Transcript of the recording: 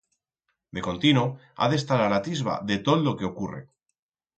De contino ha d'estar a l'atisba de tot lo que ocurre.